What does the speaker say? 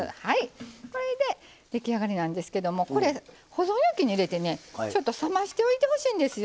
これで出来上がりなんですけども保存容器に入れて冷ましておいてほしいんですよ。